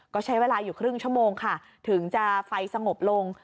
ก็ใช้เวลาอยู่ครึ่งชั่วโมงค่ะถึงจะไฟสงบลง